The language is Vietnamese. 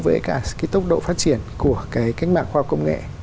với cả cái tốc độ phát triển của cái cách mạng khoa học công nghệ